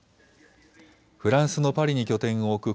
フランスのパリに拠点を置く